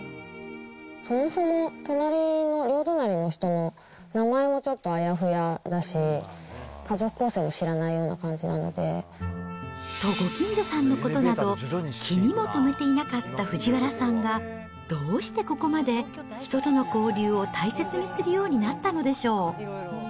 そもそも隣の、両隣の人の名前もちょっとあやふやだし、家族構成も知らないようと、ご近所さんのことなど気にも留めていなかった藤原さんが、どうしてここまで人との交流を大切にするようになったのでしょう。